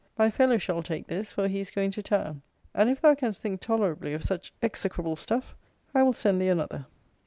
My fellow shall take this; for he is going to town. And if thou canst think tolerably of such execrable stuff, I will send thee another.